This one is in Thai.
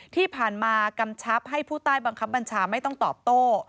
ที่ผ่านมากำชับให้ผู้ใต้บังคับบัญชาไม่ต้องตอบโต้